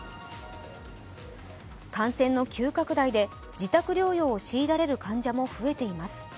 感染の急拡大で自宅療養を強いられる患者も増えています。